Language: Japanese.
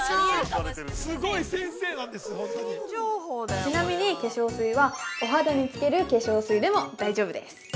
◆ちなみに、化粧水はお肌につける化粧水でも大丈夫です。